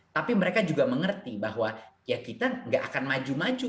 tapi mereka juga mengerti bahwa ya kita gak akan maju maju